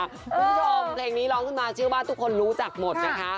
คุณผู้ชมเพลงนี้ร้องขึ้นมาเชื่อว่าทุกคนรู้จักหมดนะคะ